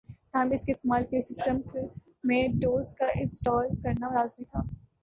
تاہم اس کے استعمال کے لئے سسٹم میں ڈوس کا انسٹال کرنا لازمی تھا